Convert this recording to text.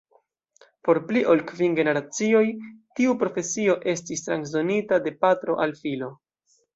Por pli ol kvin generacioj tiu profesio estis transdonita de patro al filo.